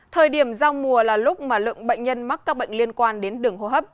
thời điểm giao mùa là lúc mà lượng bệnh nhân mắc các bệnh liên quan đến đường hô hấp